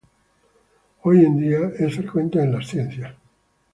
Hoy en día es frecuente en las ciencias.